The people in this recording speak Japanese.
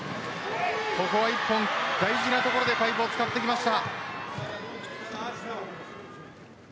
ここは１本、大事なところでパイプを使ってきました。